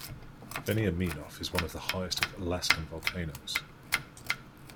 Veniaminof is one of the highest of Alaskan volcanoes.